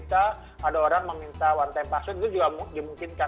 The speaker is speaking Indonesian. ada orang meminta one time password itu juga dimungkinkan